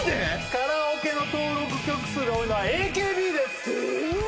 カラオケの登録曲数が多いのはＡＫＢですえーっ？